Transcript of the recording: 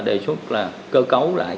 đề xuất cơ cấu lại